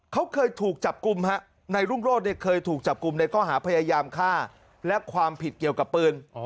เขาเคยถูกจับกลุ่มฮะนายรุ่งโรธเนี่ยเคยถูกจับกลุ่มในข้อหาพยายามฆ่าและความผิดเกี่ยวกับปืน